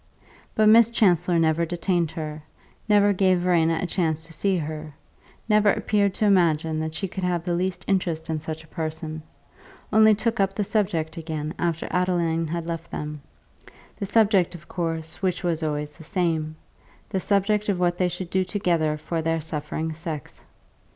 But Miss Chancellor never detained her, never gave Verena a chance to see her, never appeared to imagine that she could have the least interest in such a person; only took up the subject again after Adeline had left them the subject, of course, which was always the same, the subject of what they should do together for their suffering sex.